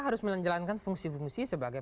harus menjalankan fungsi fungsi sebagai